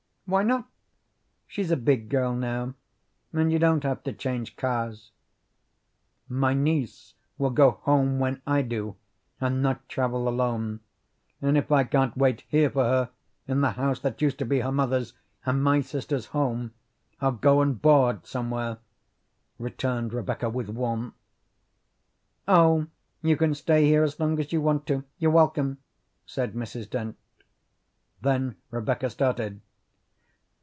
"Why not? She's a big girl now, and you don't have to change cars." "My niece will go home when I do, and not travel alone; and if I can't wait here for her, in the house that used to be her mother's and my sister's home, I'll go and board somewhere," returned Rebecca with warmth. "Oh, you can stay here as long as you want to. You're welcome," said Mrs. Dent. Then Rebecca started.